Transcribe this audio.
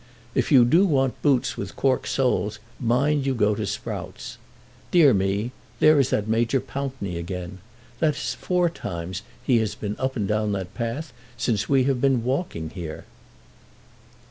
If you do want boots with cork soles mind you go to Sprout's. Dear me; there is that Major Pountney again. That is four times he has been up and down that path since we have been walking here."